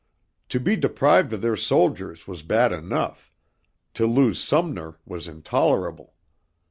To be deprived of their soldiers was bad enough; to lose Sumner was intolerable.